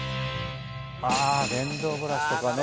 ああ電動ブラシとかね